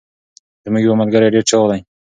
زمونږ یوه ملګري ډير چاغ دي.